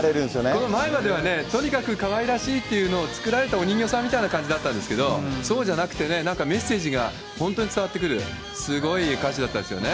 この前まではですね、とにかくかわいらしいっていうのを作られたお人形さんみたいな感じだったんですけど、そうじゃなくてね、なんかメッセージが本当に伝わってくる、すごいいい歌手だったですよね。